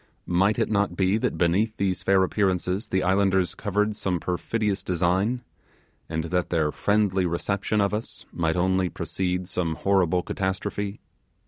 Might it not be that beneath these fair appearances the islanders covered some perfidious design, and that their friendly reception of us might only precede some horrible catastrophe?